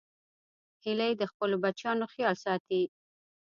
هیلۍ د خپلو بچیانو خیال ساتي